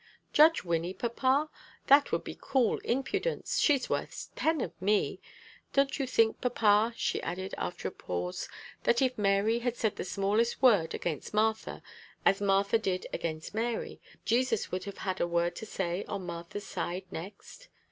"Judge Wynnie, papa! That would be cool impudence. She's worth ten of me. Don't you think, papa," she added, after a pause, "that if Mary had said the smallest word against Martha, as Martha did against Mary, Jesus would have had a word to say on Martha's side next?"